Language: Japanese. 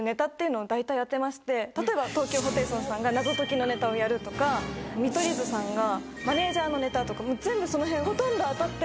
例えば東京ホテイソンさんが謎解きのネタをやるとか見取り図さんがマネジャーのネタとか全部そのへんほとんど当たってますね。